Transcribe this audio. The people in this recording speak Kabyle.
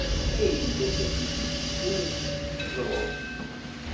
Ayla-s ad t-id-yekkes ula seg teẓrut.